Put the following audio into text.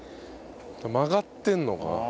曲がってるのか。